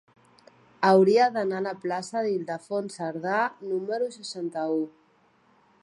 Hauria d'anar a la plaça d'Ildefons Cerdà número seixanta-u.